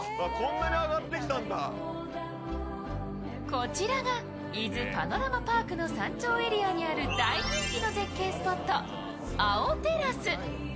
こちらが伊豆パノラマパークの山頂エリアにある大人気の絶景スポット、碧テラス。